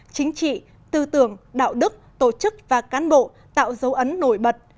chính trị tư tưởng đạo đức tổ chức và cán bộ tạo dấu ấn nổi bật